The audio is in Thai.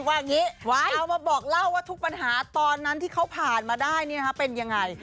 ว่าอย่างนี้เอามาบอกเล่าว่าทุกปัญหาตอนนั้นที่เขาผ่านมาได้เป็นยังไง